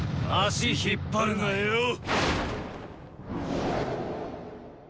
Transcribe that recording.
足引っ張るなよ！